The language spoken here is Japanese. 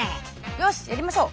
よしやりましょう。